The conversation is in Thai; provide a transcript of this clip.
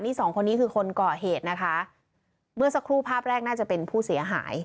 นี่สองคนนี้คือคนก่อเหตุนะคะเมื่อสักครู่ภาพแรกน่าจะเป็นผู้เสียหาย